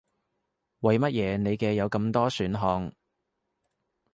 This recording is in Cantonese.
為乜嘢你嘅有咁多選項